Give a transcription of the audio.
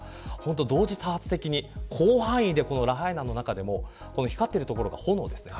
同時多発的に広範囲でラハイナの中でも光っている所が炎ですね。